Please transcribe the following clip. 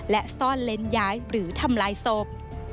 และซ่อนเล้นย้ายหรือทำลายศพ